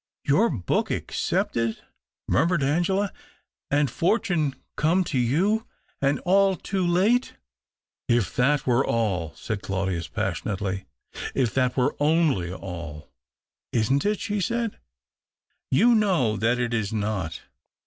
'' Your book accepted," murmured Angela, " and fortune come to you — and all too late !"" If that were all," said Claudius, passion ately. " If that were only all !"" Isn't it ?" she said. " You know that it is not.